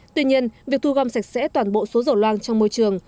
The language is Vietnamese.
tuy nhiên việc thu gom sạch sẽ toàn bộ số dầu loang trong môi trường